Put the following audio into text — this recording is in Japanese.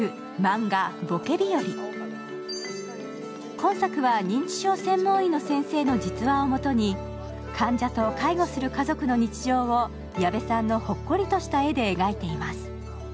今作は認知症専門医の先生の実話をもとに患者と介護する家族の日常を矢部さんのほっこりとした絵で描いています。